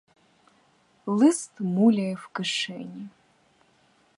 Лист муляє в кишені.